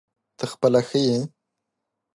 ته خپله ښه یې ؟